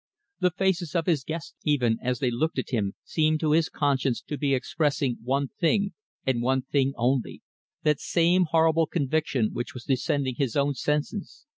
The faces of his guests, even, as they looked at him, seemed to his conscience to be expressing one thing, and one thing only that same horrible conviction which was deadening his own senses.